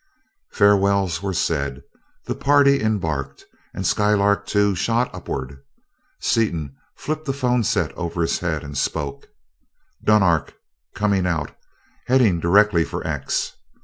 Farewells were said; the party embarked, and Skylark Two shot upward. Seaton flipped a phone set over his head and spoke. "Dunark!... Coming out, heading directly for 'X'....